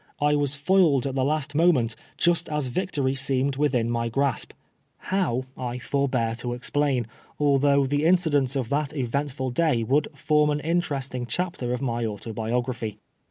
I was foiled at the last moment, just as victory seemed within my grasp; how I forbear to explain^ although the incidents of that eventf id day wonld form an interesting chapter of my Autobiography.